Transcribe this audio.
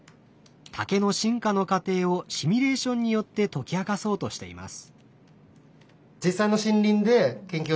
竹の進化の過程をシミュレーションによって解き明かそうとしています。